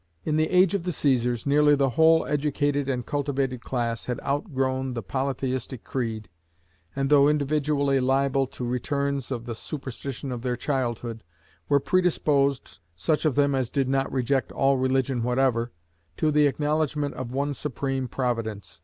In the age of the Caesars nearly the whole educated and cultivated class had outgrown the polytheistic creed, and though individually liable to returns of the superstition of their childhood, were predisposed (such of them as did not reject all religion whatever) to the acknowledgment of one Supreme Providence.